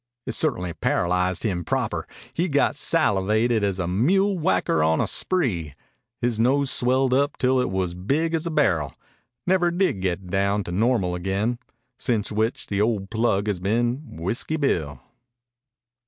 It ce'tainly paralyzed him proper. He got salivated as a mule whacker on a spree. His nose swelled up till it was big as a barrel never did get down to normal again. Since which the ol' plug has been Whiskey Bill."